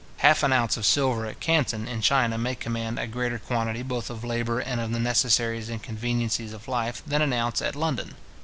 Half an ounce of silver at Canton in China may command a greater quantity both of labour and of the necessaries and conveniencies of life, than an ounce at London.